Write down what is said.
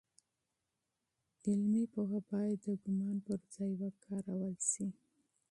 علمي پوهه باید د ګومان پر ځای وکارول سي.